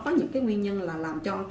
có những nguyên nhân là làm cho